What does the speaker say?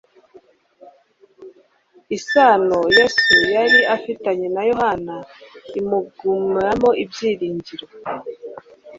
Isano Yesu yari afitanye na Yohana imugamramo ibyiringiro.